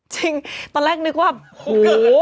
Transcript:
จริงตอนแรกนึกว่าเกิด